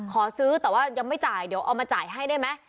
ขอซื้อแต่ว่ายังไม่จ่ายเดี๋ยวเอามาจ่ายให้ได้ไหม